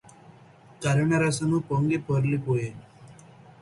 కరుణరసము పొంగి పొరలిపోయె